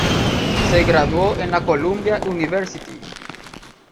Se graduó en la Columbia University.